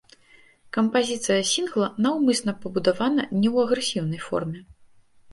Кампазіцыя сінгла наўмысна пабудавана не ў агрэсіўнай форме.